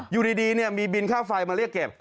อยู่ดีมีบินค่าไฟมาเรียกเก็บ